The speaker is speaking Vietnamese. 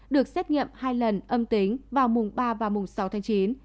được xét nghiệm hai lần âm tính vào mùng ba và mùng sáu tháng chín